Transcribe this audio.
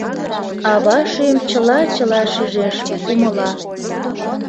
Ава шӱм чыла-чыла шижеш, умыла.